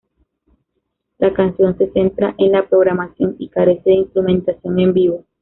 La canción se centra en la programación y carece de instrumentación en vivo.